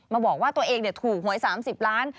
บอกว่าตัวเองถูกหวย๓๐ล้าน